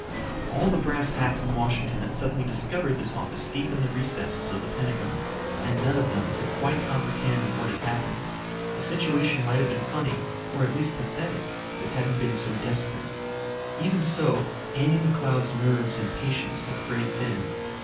All the brass hats in Washington had suddenly discovered this office deep in the recesses of the Pentagon. And none of them could quite comprehend what had happened. The situation might have been funny, or at least pathetic, if it hadn't been so desperate. Even so, Andy McCloud's nerves and patience had frayed thin.